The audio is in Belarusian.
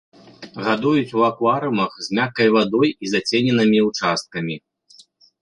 Гадуюць у акварыумах з мяккай вадой і зацененымі ўчасткамі.